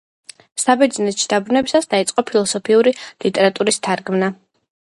საბერძნეთში დაბრუნებისას დაიწყო ფილოსოფიური ლიტერატურის თარგმნა.